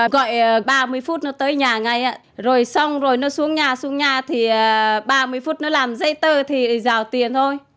gọi ba mươi phút nó tới nhà ngay rồi xong rồi nó xuống nhà xuống nhà thì ba mươi phút nó làm dây tờ thì rào tiền thôi